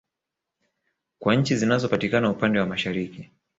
Kwa nchi zinazo patikana upande wa Mashariki